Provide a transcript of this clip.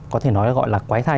có thể nói là quái thai